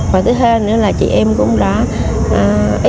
và thêm nữa là chị em cũng đã